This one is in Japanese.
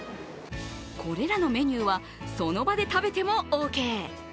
これらのメニューはその場で食べてもオーケー。